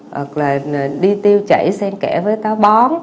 hoặc là đi tiêu chảy sen kẽ với cá bón